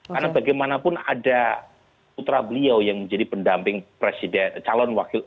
karena bagaimanapun ada putra beliau yang menjadi pendamping presiden calon wakil